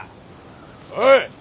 おい！